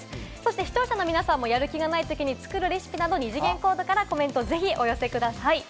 視聴者の皆さんもやる気がないときに作るレシピなど、二次元コードからぜひお寄せください。